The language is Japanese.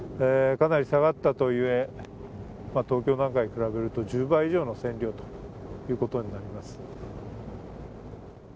かなり下がったとはいえ東京なんかに比べると１０倍以上の線量ということになります。